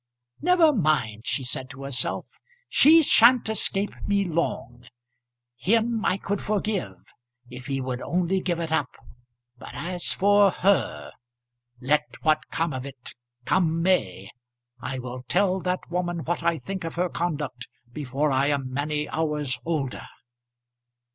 "Never mind," she said to herself. "She sha'n't escape me long. Him I could forgive, if he would only give it up; but as for her ! Let what come of it, come may, I will tell that woman what I think of her conduct before I am many hours older."